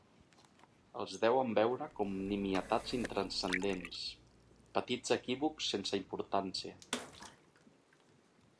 Els deuen veure com nimietats intranscendents, petits equívocs sense importància.